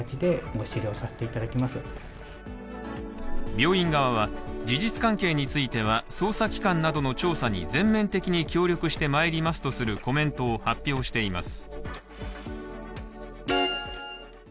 病院側は事実関係については捜査機関などの調査に全面的に協力してまいりますとするコメントを発表しています。